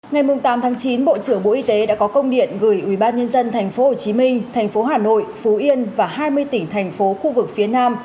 ngày tám chín bộ trưởng bộ y tế đã có công điện gửi ubnd tp hcm thành phố hà nội phú yên và hai mươi tỉnh thành phố khu vực phía nam